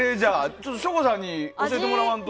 ちょっと省吾さんに教えてもらわんと。